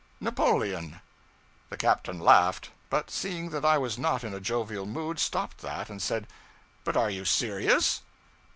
'Napoleon.' The captain laughed; but seeing that I was not in a jovial mood, stopped that and said 'But are you serious?'